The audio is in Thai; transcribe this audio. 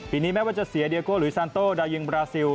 ปีนี้แม้ว่าจะเสียเดียโก้หรือซานโต้ดายิงบราซิล